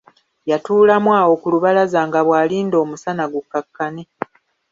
Yatuulamu awo ku lubalaza nga bw'alinda omusana gukkakkane.